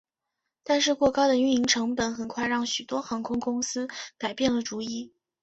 但是过高的运营成本很快让许多航空公司改变了主意。